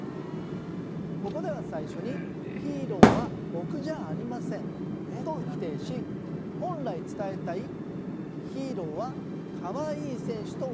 ここでは最初に「ヒーローは僕じゃありません」と否定し本来伝えたい「ヒーローはかわいい選手と」